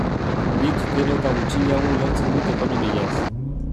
Nik gero eta gutxiago ulertzen dut ekonomiaz.